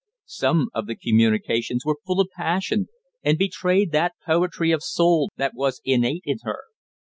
Some of the communications were full of passion, and betrayed that poetry of soul that was innate in her.